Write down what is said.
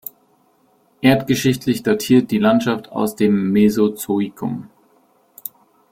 Erdgeschichtlich datiert die Landschaft aus dem Mesozoikum.